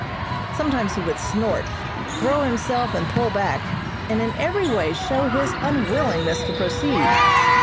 Sometimes he would snort, throw himself and pull back, and in every way show his unwillingness to proceed.